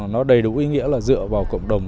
nó đầy đủ ý nghĩa là dựa vào cộng đồng